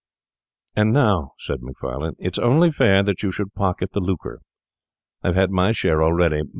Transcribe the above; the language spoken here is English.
'And now,' said Macfarlane, 'it's only fair that you should pocket the lucre. I've had my share already.